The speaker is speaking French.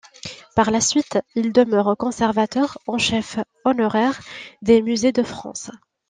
Par la suite, il demeure conservateur en chef honoraire des Musées de France.